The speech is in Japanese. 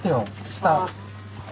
下。